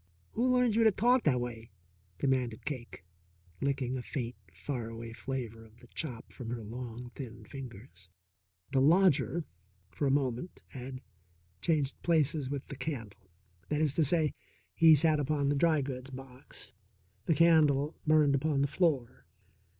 "Who learned you to talk that a way?" demanded Cake, licking a faint, far away flavour of the chop from her long, thin fingers. The lodger, for a moment, had changed places with the candle. That is to say, he sat upon the dry goods box, the candle burned upon the floor.